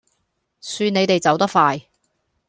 算你哋走得快